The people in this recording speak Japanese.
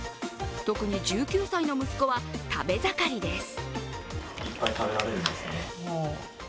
特に１９歳の息子は食べ盛りです。